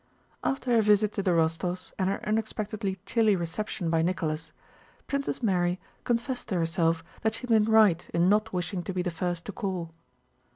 After her visit to the Rostóvs and her unexpectedly chilly reception by Nicholas, Princess Mary confessed to herself that she had been right in not wishing to be the first to call.